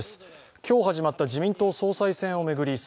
今日始まった自民党総裁選を巡り菅